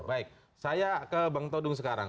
baik saya ke bang todung sekarang